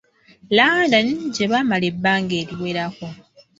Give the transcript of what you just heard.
London, gye baamala ebbanga eriwerako.